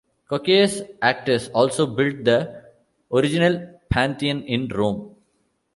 Cocceius Auctus also built the original Pantheon in Rome.